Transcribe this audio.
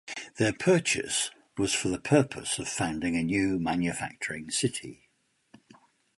Their purchase was for the purpose of founding a new manufacturing city.